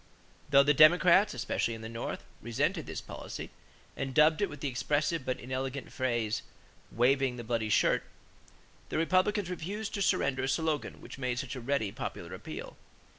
Though the Democrats, especially in the North, resented this policy and dubbed it with the expressive but inelegant phrase, "waving the bloody shirt," the Republicans refused to surrender a slogan which made such a ready popular appeal.